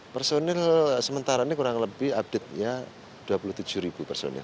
personil sementara ini kurang lebih update nya dua puluh tujuh ribu personil